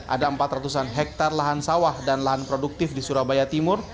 ada empat ratus an hektare lahan sawah dan lahan produktif di surabaya timur